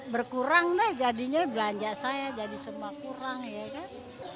berkurang dah jadinya belanja saya jadi semua kurang ya kan